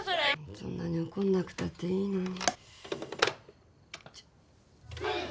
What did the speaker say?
そんなに怒んなくたっていいのに。